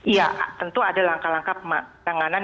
iya tentu ada langkah langkah penanganan